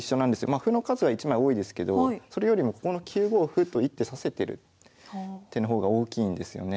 まあ歩の数は１枚多いですけどそれよりもここの９五歩と１手指せてる手の方が大きいんですよね。